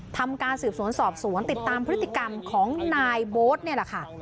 ทำการสืบสวนสอบสวนติดตามพฤติกรรมของนายโบ๊ทนี่แหละค่ะ